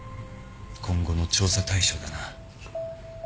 今後の調査対象だな。